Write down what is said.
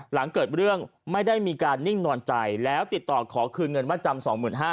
หลังเกิดเรื่องไม่ได้มีการนิ่งนอนใจแล้วติดต่อขอคืนเงินมาจำ๒๕๐๐